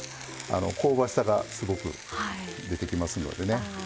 香ばしさがすごく出てきますのでね。